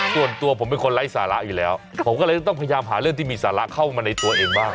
ส่วนตัวผมเป็นคนไร้สาระอยู่แล้วผมก็เลยต้องพยายามหาเรื่องที่มีสาระเข้ามาในตัวเองบ้าง